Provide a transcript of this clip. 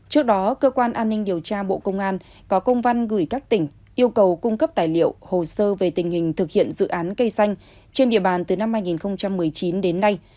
trước đó cơ quan an ninh điều tra bộ công an có công văn gửi các tỉnh yêu cầu cung cấp tài liệu hồ sơ về tình hình thực hiện dự án cây xanh trên địa bàn từ năm hai nghìn một mươi chín đến nay